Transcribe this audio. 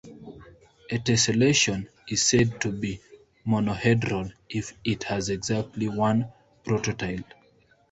A tessellation is said to be monohedral if it has exactly one prototile.